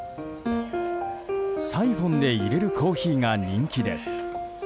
サイフォンで入れるコーヒーが人気です。